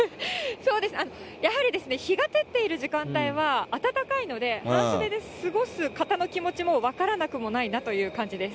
そうですね、やはり日が照っている時間帯は暖かいので、半袖で過ごす方の気持ちも分からなくもないなという感じです。